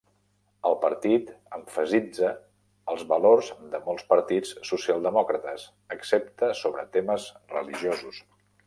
El partit emfasitza els valors de molts partits socialdemòcrates, excepte sobre temes religiosos.